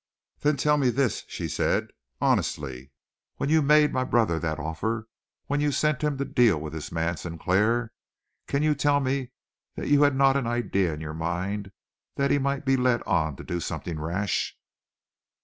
"Then tell me this," she said, "honestly. When you made my brother that offer, when you sent him to deal with this man Sinclair, can you tell me that you had not an idea in your mind that he might be led on to do something rash?"